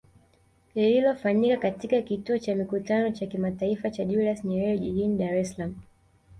Lililofanyika katika kituo cha Mikutano cha Kimataifa cha Julius Nyerere jijini Dar es Salaam